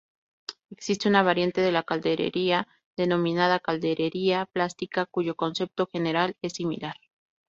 Existe una variante de la calderería denominada calderería plástica, cuyo concepto general es similar.